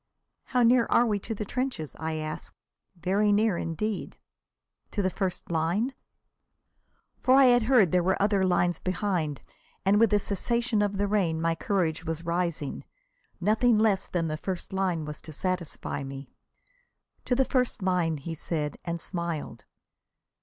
"How near are we to the trenches?" I asked. "Very near, indeed." "To the first line?" For I had heard that there were other lines behind, and with the cessation of the rain my courage was rising. Nothing less than the first line was to satisfy me. "To the first line," he said, and smiled.